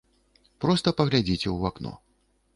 Проста паглядзіце ў вакно.